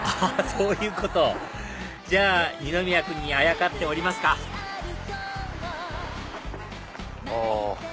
そういうことじゃあ二宮君にあやかって降りますかあ。